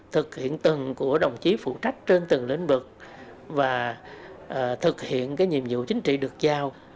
thực hiện từng của đồng chí phụ trách trên từng lĩnh vực và thực hiện nhiệm vụ chính trị được giao